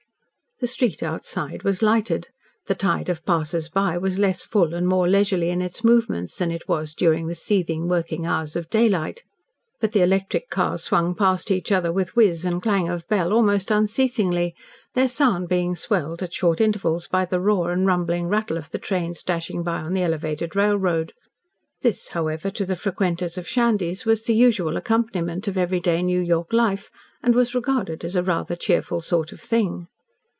The street outside was lighted, the tide of passers by was less full and more leisurely in its movements than it was during the seething, working hours of daylight, but the electric cars swung past each other with whiz and clang of bell almost unceasingly, their sound being swelled, at short intervals, by the roar and rumbling rattle of the trains dashing by on the elevated railroad. This, however, to the frequenters of Shandy's, was the usual accompaniment of every day New York life and was regarded as a rather cheerful sort of thing.